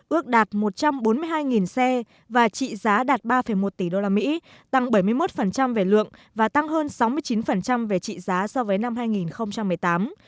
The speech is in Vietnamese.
ước đạt một trăm bốn mươi hai xe và trị giá đạt ba một tỷ usd tăng bảy mươi một về lượng và tăng hơn sáu mươi chín về trị giá so với năm hai nghìn một mươi tám